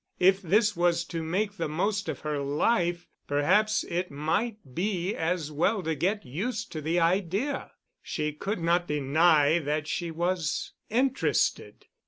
If this was to make the most of her life, perhaps it might be as well to get used to the idea. She could not deny that she was interested.